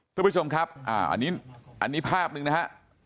ทุกผู้ชมครับอันนี้ภาพหนึ่งนะฮะ